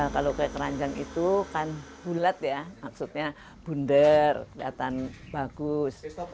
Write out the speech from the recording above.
kalau kue keranjang itu kan bulat ya maksudnya bunder kelihatan bagus